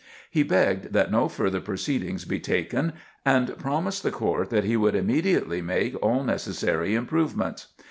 He begged that no further proceedings be taken, and promised the court that he would immediately make all necessary improvements.